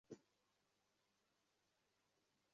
না, তোমার জাস্ট পানিশূন্যতা হয়েছে।